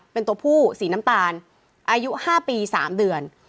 เป็นตัวผู้สีน้ำตาลอายุ๕ปี๓เดือน